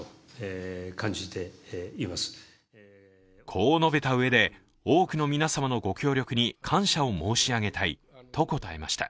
こう述べたうえで、多くの皆様のご協力に感謝を申し上げたいと答えました。